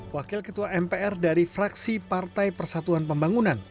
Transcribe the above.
wakil ketua mpr dari fraksi partai persatuan pembangunan